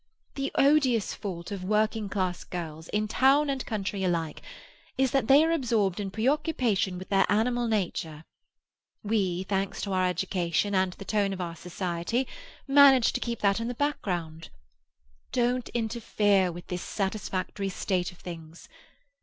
The odious fault of working class girls, in town and country alike, is that they are absorbed in preoccupation with their animal nature. We, thanks to our education and the tone of our society, manage to keep that in the background. Don't interfere with this satisfactory state of things.